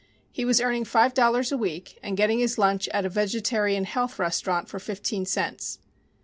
He was earning five dollars a week and getting his lunch at a "vegetarian health restaurant" for fifteen cents.